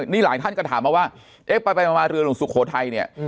นี่หลายท่านก็ถามมาว่าเอ๊ะไปมาเรือหลวงสุโขทัยเนี่ย